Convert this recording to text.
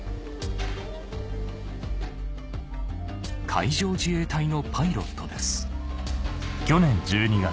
海上自衛隊のパイロットです